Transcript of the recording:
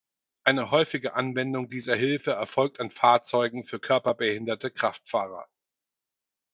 Eine häufige Anwendung dieser Hilfe erfolgt an Fahrzeugen für körperbehinderte Kraftfahrer.